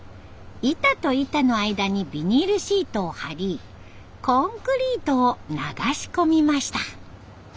板と板の間にビニールシートを張りコンクリートを流し込みました。